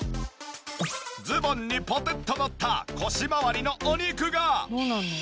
ズボンにポテッとのった腰回りのお肉が。